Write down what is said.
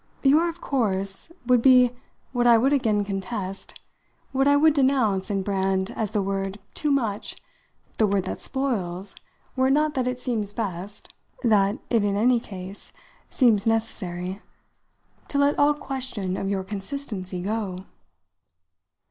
"Your 'of course' would be what I would again contest, what I would denounce and brand as the word too much the word that spoils, were it not that it seems best, that it in any case seems necessary, to let all question of your consistency go."